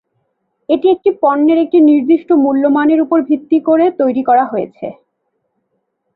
এটি একটি পণ্যের একটি নির্দিষ্ট মূল্যমানের উপর ভিত্তি করে তৈরি করা হয়েছে।